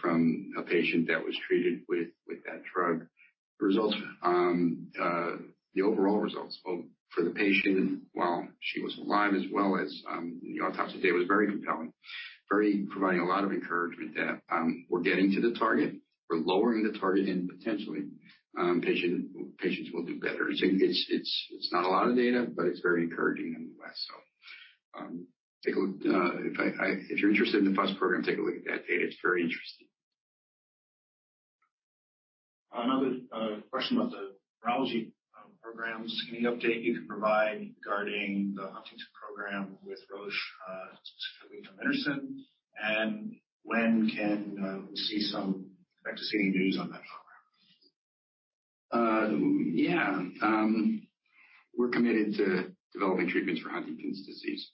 from a patient that was treated with that drug. The results, the overall results, both for the patient while she was alive as well as, the autopsy data was very compelling, very providing a lot of encouragement that, we're getting to the target. We're lowering the target and potentially, patients will do better. It's not a lot of data, but it's very encouraging, nonetheless. Take a look. If you're interested in the FUS program, take a look at that data. It's very interesting. Another question about the neurology programs. Any update you can provide regarding the Huntington program with Roche, specifically tominersen and when can we expect to see any news on that program? We're committed to developing treatments for Huntington's disease.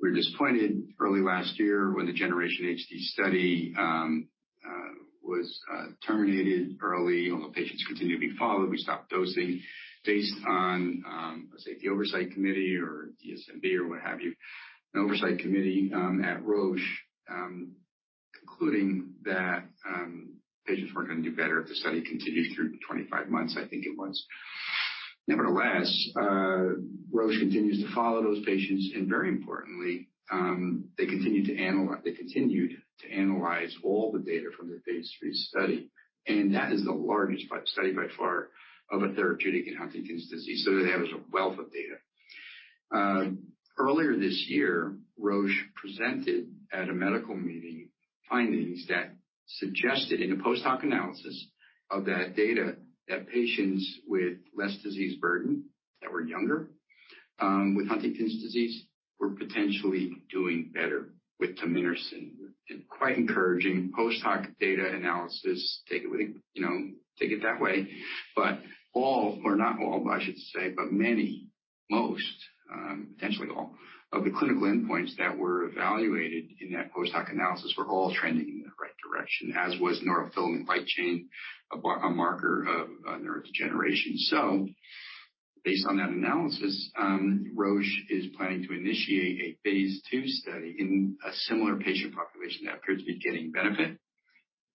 We were disappointed early last year when the GENERATION HD1 study was terminated early. Although patients continued to be followed, we stopped dosing based on, let's say, the oversight committee or DSMB or what have you. An oversight committee at Roche concluding that patients weren't gonna do better if the study continued through 25 months, I think it was. Nevertheless, Roche continues to follow those patients, and very importantly, they continued to analyze all the data from the phase III study, and that is the largest study by far of a therapeutic in Huntington's disease. They have a wealth of data. Earlier this year, Roche presented at a medical meeting findings that suggested in a post-hoc analysis of that data that patients with less disease burden that were younger with Huntington's disease were potentially doing better with tominersen. Quite encouraging post-hoc data analysis, take it with a, you know, take it that way. But all or not all, I should say, but many, most, potentially all of the clinical endpoints that were evaluated in that post-hoc analysis were all trending in the right direction, as was neurofilament light chain, a marker of nerve degeneration. Based on that analysis, Roche is planning to initiate a phase two study in a similar patient population that appears to be getting benefit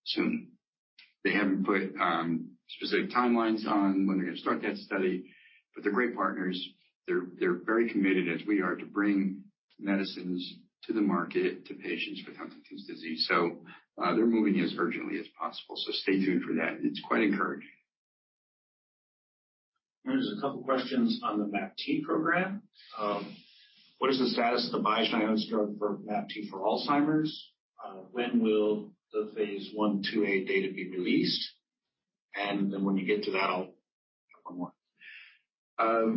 soon. They haven't put specific timelines on when they're gonna start that study, but they're great partners. They're very committed as we are to bring medicines to the market, to patients with Huntington's disease, so they're moving as urgently as possible, so stay tuned for that. It's quite encouraging. There's a couple questions on the MAPT program. What is the status of the Biogen Ionis drug for MAPT for Alzheimer's? When will the phase I, II-A data be released? When you get to that, I'll have one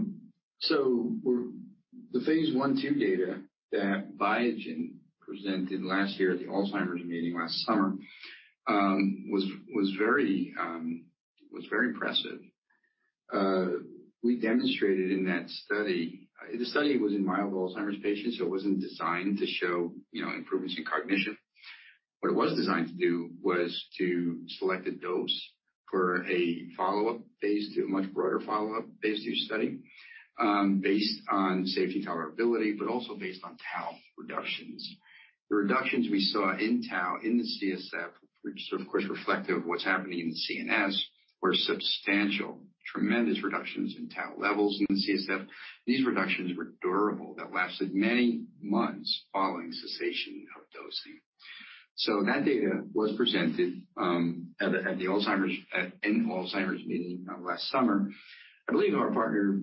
more. The phase I/II data that Biogen presented last year at the Alzheimer's meeting last summer was very impressive. We demonstrated in that study. The study was in mild Alzheimer's patients, so it wasn't designed to show, you know, improvements in cognition. What it was designed to do was to select a dose for a follow-up phase II, a much broader follow-up phase II study, based on safety tolerability but also based on tau reductions. The reductions we saw in tau in the CSF, which are of course reflective of what's happening in the CNS, were substantial. Tremendous reductions in tau levels in the CSF. These reductions were durable, that lasted many months following cessation of dosing. That data was presented at the Alzheimer's meeting last summer. I believe our partner,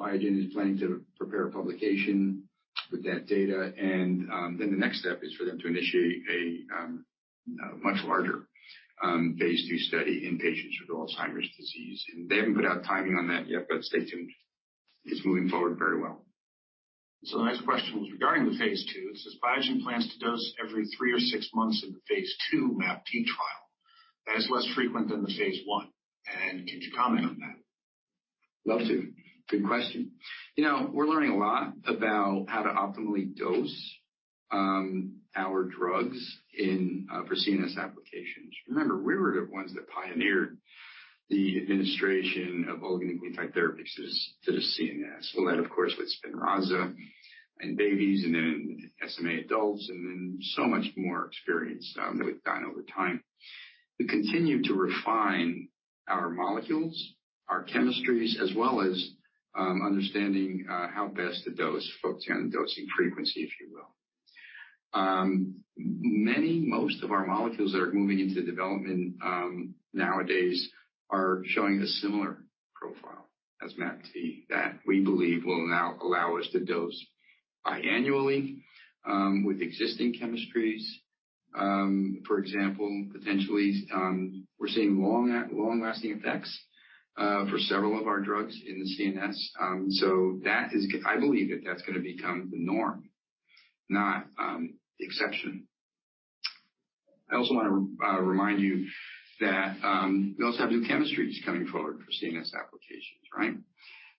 Biogen, is planning to prepare a publication with that data and, then the next step is for them to initiate a, much larger, phase two study in patients with Alzheimer's disease. They haven't put out timing on that yet, but stay tuned. It's moving forward very well. The next question was regarding the phase II. It says, "Biogen plans to dose every III or 6 months in the phase II MAPT trial. That is less frequent than the phase I, and could you comment on that? Love to. Good question. You know, we're learning a lot about how to optimally dose our drugs in for CNS applications. Remember, we were the ones that pioneered the administration of oligonucleotide therapies to the CNS. Well, that of course with Spinraza in babies and then SMA adults and then so much more experience that we've done over time. We continue to refine our molecules, our chemistries, as well as understanding how best to dose, focus on dosing frequency, if you will. Many, most of our molecules that are moving into development nowadays are showing a similar profile as MAPT that we believe will now allow us to dose biannually with existing chemistries. For example, potentially, we're seeing long-lasting effects for several of our drugs in the CNS. I believe that that's gonna become the norm, not the exception. I also wanna remind you that we also have new chemistries coming forward for CNS applications, right?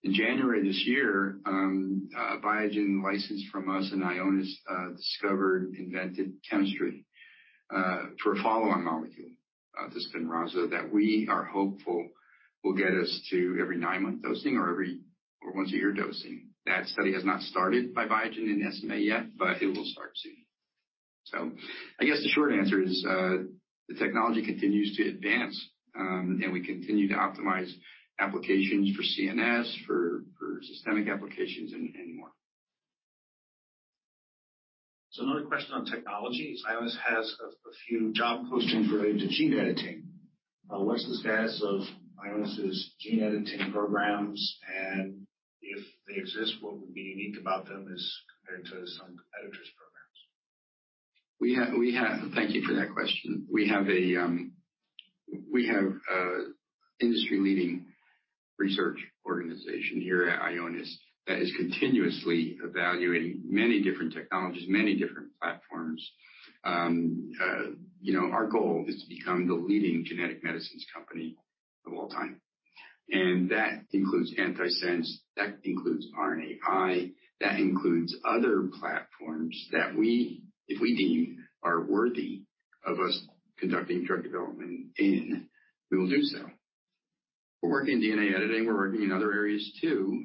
In January this year, Biogen licensed from us an Ionis discovered, invented chemistry for a follow-on molecule of the Spinraza that we are hopeful will get us to every nine-month dosing or once a year dosing. That study has not started by Biogen in SMA yet, but it will start soon. I guess the short answer is the technology continues to advance and we continue to optimize applications for CNS for systemic applications and more. Another question on technology. Ionis has a few job postings related to gene editing. What's the status of Ionis' gene editing programs? If they exist, what would be unique about them as compared to some competitors' programs? Thank you for that question. We have an industry-leading research organization here at Ionis that is continuously evaluating many different technologies, many different platforms. You know, our goal is to become the leading genetic medicines company of all time. That includes antisense, that includes RNAi, that includes other platforms that we, if we deem are worthy of us conducting drug development in, we will do so. We're working in DNA editing. We're working in other areas too.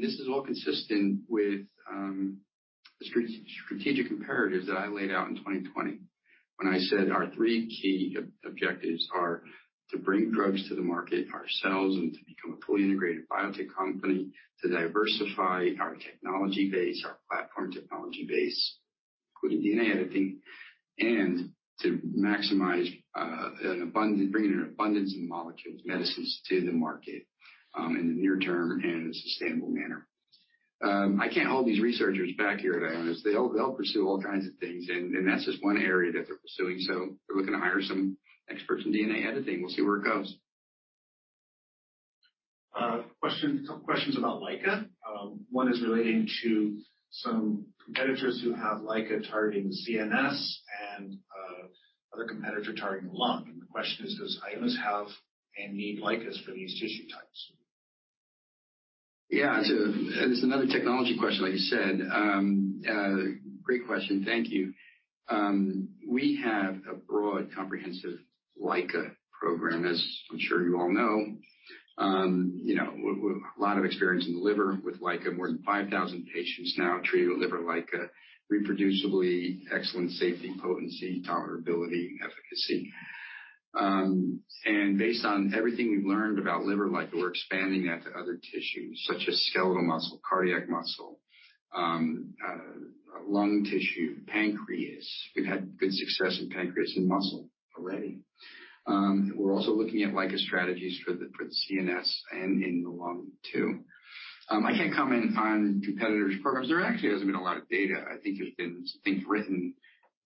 This is all consistent with the strategic imperatives that I laid out in 2020 when I said our three key objectives are to bring drugs to the market ourselves and to become a fully integrated biotech company, to diversify our technology base, our platform technology base, including DNA editing, and to maximize, bring an abundance in molecules, medicines to the market, in the near term and in a sustainable manner. I can't hold these researchers back here at Ionis. They'll pursue all kinds of things, and that's just one area that they're pursuing. We're looking to hire some experts in DNA editing. We'll see where it goes. Question. Couple questions about LICA. One is relating to some competitors who have LICA targeting the CNS and other competitor targeting the lung. The question is, does Ionis have any LICAs for these tissue types? Yeah. It's another technology question, like you said. Great question. Thank you. We have a broad comprehensive LICA program, as I'm sure you all know. You know, with a lot of experience in the liver with LICA. More than 5,000 patients now treated with liver LICA. Reproducibly excellent safety, potency, tolerability, efficacy. Based on everything we've learned about liver LICA, we're expanding that to other tissues, such as skeletal muscle, cardiac muscle, lung tissue, pancreas. We've had good success in pancreas and muscle already. We're also looking at LICA strategies for the CNS and in the lung too. I can't comment on competitors' programs. There actually hasn't been a lot of data. I think there's been things written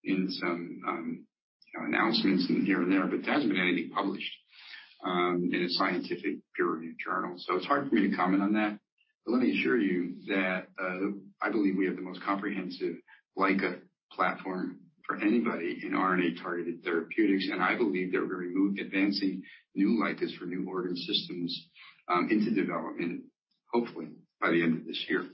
in some, you know, announcements in here and there, but there hasn't been anything published in a scientific peer-reviewed journal. It's hard for me to comment on that. Let me assure you that I believe we have the most comprehensive LICA platform for anybody in RNA-targeted therapeutics, and I believe that we're advancing new LICAs for new organ systems into development, hopefully by the end of this year.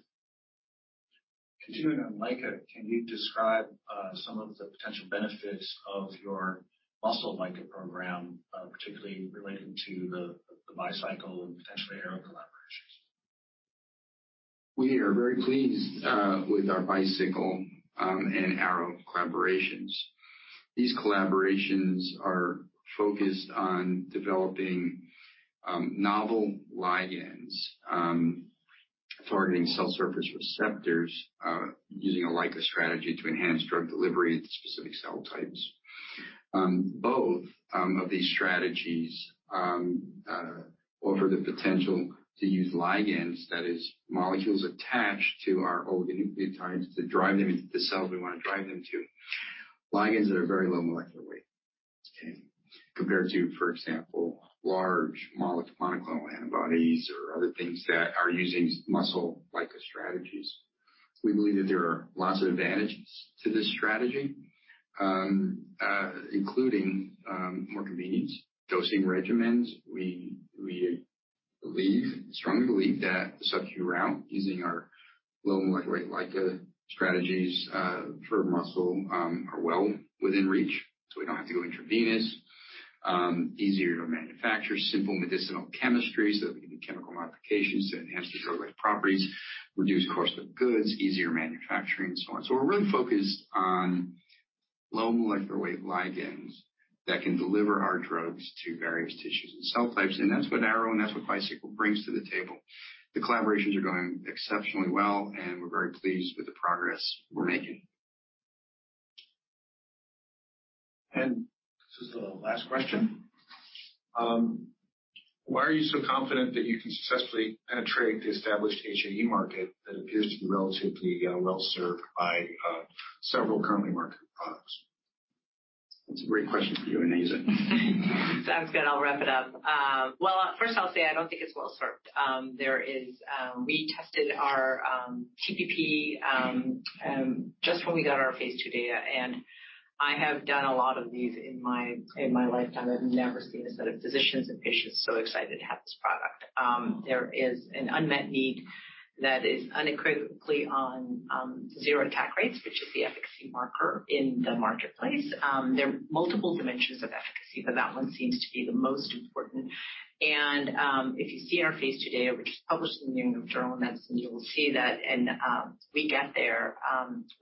Continuing on LICA, can you describe some of the potential benefits of your muscle LICA program, particularly relating to the Bicycle and potentially Arrowhead collaborations? We are very pleased with our Bicycle Therapeutics and Arrowhead Pharmaceuticals collaborations. These collaborations are focused on developing novel ligands targeting cell surface receptors using a LICA strategy to enhance drug delivery to specific cell types. Both of these strategies offer the potential to use ligands, that is, molecules attached to our oligonucleotides to drive them into the cells we wanna drive them to. Ligands are very low molecular weight, okay, compared to, for example, large molecule monoclonal antibodies or other things that are using molecule LICA strategies. We believe that there are lots of advantages to this strategy including more convenient dosing regimens. We strongly believe that the subcu route using our low molecular weight LICA strategies for muscle are well within reach, so we don't have to go intravenous. Easier to manufacture, simple medicinal chemistry, so that we can do chemical modifications to enhance the drug-like properties, reduce cost of goods, easier manufacturing, and so on. We're really focused on low molecular weight ligands that can deliver our drugs to various tissues and cell types, and that's what Arrowhead and Bicycle brings to the table. The collaborations are going exceptionally well, and we're very pleased with the progress we're making. This is the last question. Why are you so confident that you can successfully penetrate the established HAE market that appears to be relatively, well served by several currently marketed products? That's a great question for you, Onaiza. Sounds good. I'll wrap it up. First I'll say I don't think it's well served. We tested our TPP just when we got our phase II data, and I have done a lot of these in my lifetime. I've never seen a set of physicians and patients so excited to have this product. There is an unmet need that is unequivocally on zero attack rates, which is the efficacy marker in the marketplace. There are multiple dimensions of efficacy, but that one seems to be the most important. If you see our phase III data, which is published in The New England Journal of Medicine, you will see that and we get there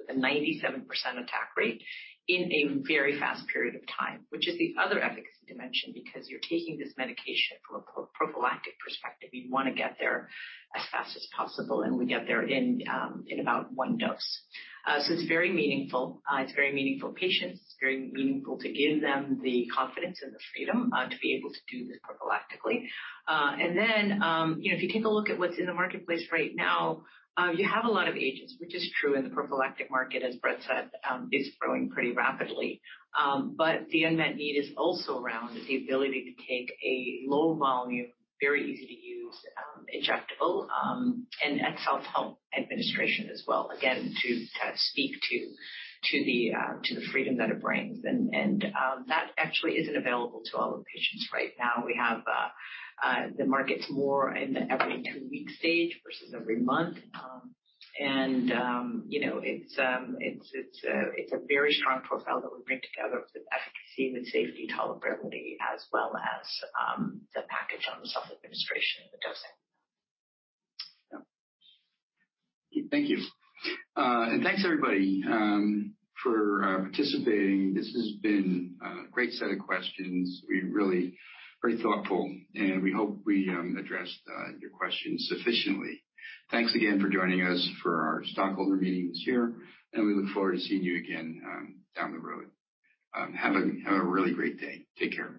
with a 97% attack rate in a very fast period of time. Which is the other efficacy dimension because you're taking this medication from a prophylactic perspective. You wanna get there as fast as possible, and we get there in about one dose. So it's very meaningful. It's very meaningful to patients. It's very meaningful to give them the confidence and the freedom to be able to do this prophylactically. And then, you know, if you take a look at what's in the marketplace right now, you have a lot of agents, which is true in the prophylactic market, as Brett said, is growing pretty rapidly. But the unmet need is also around the ability to take a low volume, very easy to use, injectable, and self-help administration as well, again, to kind of speak to the freedom that it brings. That actually isn't available to all the patients right now. We have the market's more in the every two-week stage versus every month. You know, it's a very strong profile that we bring together with efficacy, with safety, tolerability, as well as the package on the self-administration and the dosing. Yeah. Thank you. Thanks, everybody, for participating. This has been a great set of questions. Very thoughtful, and we hope we addressed your questions sufficiently. Thanks again for joining us for our stockholder meeting this year, and we look forward to seeing you again down the road. Have a really great day. Take care.